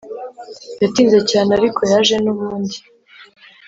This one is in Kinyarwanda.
yatinze cyane ariko yaje nubundi.